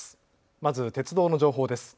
まず鉄道の情報です。